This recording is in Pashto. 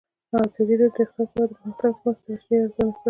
ازادي راډیو د اقتصاد په اړه د پرمختګ لپاره د ستراتیژۍ ارزونه کړې.